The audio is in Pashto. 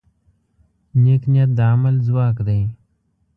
نیک نیت د عمل ځواک دی.